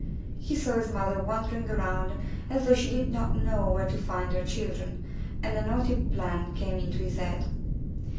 He saw his mother wandering around as though she did not know where to find her children, and a naughty plan came into his head.